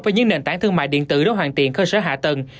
với những nền tảng thương mại điện tử đấu hoàn tiện khơi sở hạ tầng